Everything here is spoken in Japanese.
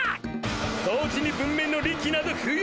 掃除に文明の利器など不要だ！